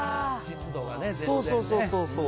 そうそう、そうそう。